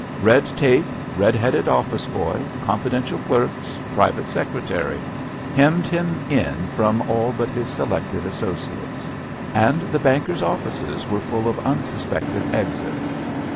Red tape, red headed office boy, confidential clerks, private secretary, hemmed him in from all but his selected associates. And the banker's offices were full of unsuspected exits.